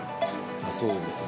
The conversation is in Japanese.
そうですね。